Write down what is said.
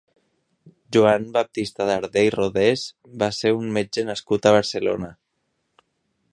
Joan Baptista Darder i Rodés va ser un metge nascut a Barcelona.